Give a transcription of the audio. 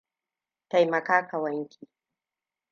Taimaka ka wanke.